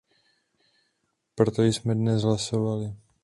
Proto jsme dnes hlasovali.